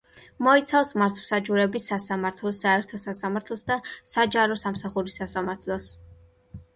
მოიცავს მართლმსაჯულების სასამართლოს, საერთო სასამართლოს და საჯარო სამსახურის სასამართლოს.